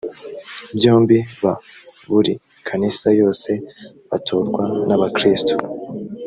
byombi ba buri kanisa yose batorwa n abakristo